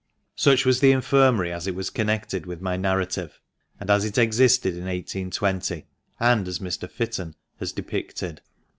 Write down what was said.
Such was the Infirmary as it was connected with my narrative, and as it existed in 1820, and as Mr. Fitton has depicted.